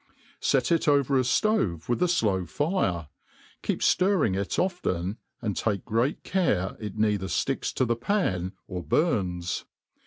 Set it over a ftove with a flow fire, keep ftirring it often, and take great care ft neither fticks to the pan or burns.